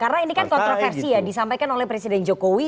karena ini kan kontroversi ya disampaikan oleh presiden jokowi